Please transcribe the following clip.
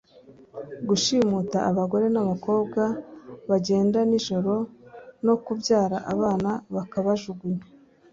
gushimuta abagore n’abakobwa bagenda n’ijoro no kubyara abana bakabajugunya